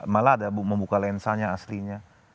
malah ada membuka lensanya aslinya